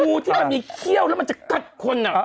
งูที่แบบนี้เขี้ยวแล้วมันจะกัดคนอ่ะ